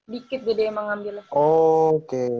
dikit jadi emang ngambilnya